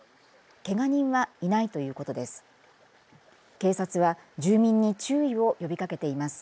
けが人はいないということです。